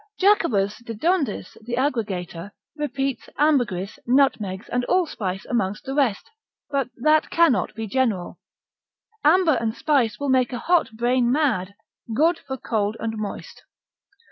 Jacobus de Dondis the aggregator, repeats ambergris, nutmegs, and allspice amongst the rest. But that cannot be general. Amber and spice will make a hot brain mad, good for cold and moist.